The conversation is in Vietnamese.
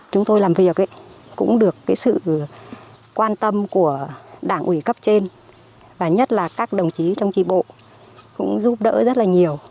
chúng tôi làm việc cũng được sự quan tâm của đảng ủy cấp trên và nhất là các đồng chí trong trị bộ cũng giúp đỡ rất là nhiều